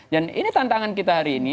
dan ini tantangan kita hari ini